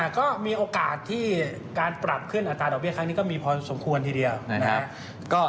ก็มีโอกาสที่การปรับขึ้นอัตราดอกเบี้ครั้งนี้ก็มีพอสมควรทีเดียวนะครับ